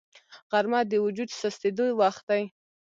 غرمه د وجود سستېدو وخت دی